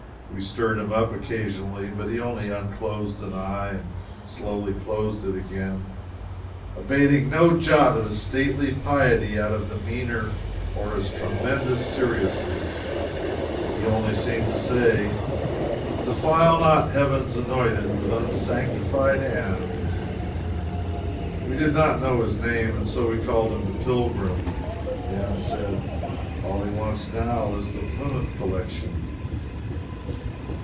We stirred him up occasionally, but he only unclosed an eye and slowly closed it again, abating no jot of his stately piety of demeanor or his tremendous seriousness. He only seemed to say, "Defile not Heaven's anointed with unsanctified hands." We did not know his name, and so we called him "The Pilgrim." Dan said: "All he wants now is a Plymouth Collection."